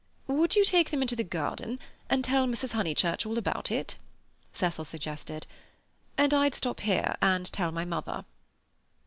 "Would you take them into the garden and tell Mrs. Honeychurch all about it?" Cecil suggested. "And I'd stop here and tell my mother."